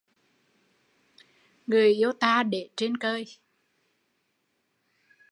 Người yêu ta để trên cơi